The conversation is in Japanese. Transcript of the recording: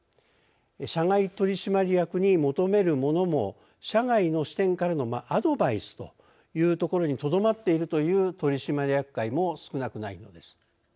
社外取締役に求めるものも社外の視点からのアドバイスにとどまっているという取締役会も少なくないのです。